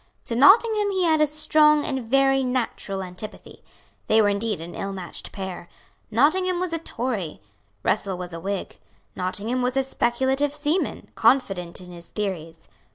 To Nottingham he had a strong and a very natural antipathy. They were indeed an ill matched pair. Nottingham was a Tory; Russell was a Whig. Nottingham was a speculative seaman, confident in his theories.